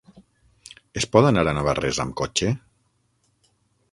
Es pot anar a Navarrés amb cotxe?